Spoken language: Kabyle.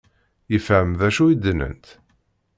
Yefhem d acu i d-nnant?